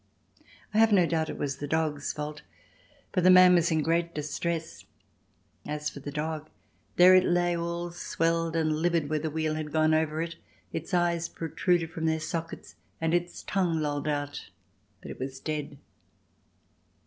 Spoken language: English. I have no doubt it was the dog's fault, for the man was in great distress; as for the dog there it lay all swelled and livid where the wheel had gone over it, its eyes protruded from their sockets and its tongue lolled out, but it was dead.